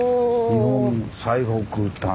「日本最北端の」。